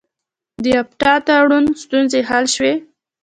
د اپټا تړون ستونزې حل شوې؟